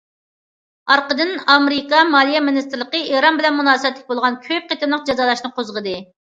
ئارقىدىن، ئامېرىكا مالىيە مىنىستىرلىقى ئىران بىلەن مۇناسىۋەتلىك بولغان كۆپ قېتىملىق جازالاشنى قوزغىدى.